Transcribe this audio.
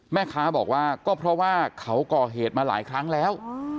แม่ค้าบอกว่าก็เพราะว่าเขาก่อเหตุมาหลายครั้งแล้ว